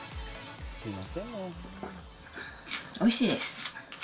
おいしいです。